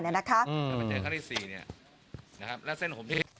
ทั้งเจ้าข้างที่๔และเส้นผมที่